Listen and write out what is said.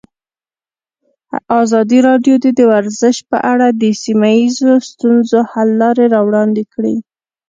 ازادي راډیو د ورزش په اړه د سیمه ییزو ستونزو حل لارې راوړاندې کړې.